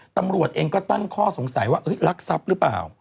ตำรวจเองก็ตั้งข้อสงสัยว่ารักทรัพย์หรือเปล่า